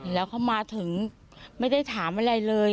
แล้วเขามาถึงไม่ได้ถามอะไรเลย